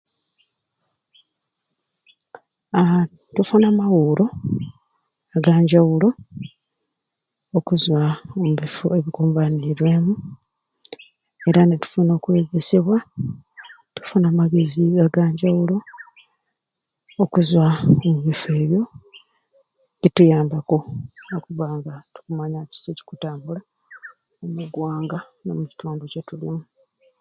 Aaa tufuna amawuro aganjawulo okuzwa omubifo ebikumbanirwemu era nitufuna okwegesebwa ni tufuna amagezi aganjawulo okuzwa omubifo ebyo kituyambaku okubba nga tukumanya kiki ekikutambula omu ggwanga ne mukitundu kyetulimu